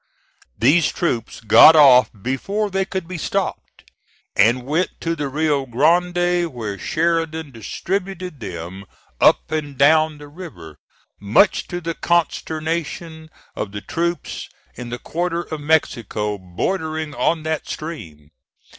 These troops got off before they could be stopped; and went to the Rio Grande, where Sheridan distributed them up and down the river, much to the consternation of the troops in the quarter of Mexico bordering on that stream.